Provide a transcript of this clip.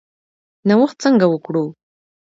نوښت څنګه وکړو؟